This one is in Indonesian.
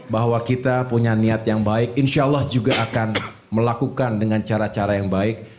bahwa kita punya niat yang baik insya allah juga akan melakukan dengan cara cara yang baik